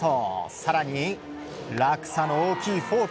更に落差の大きいフォーク。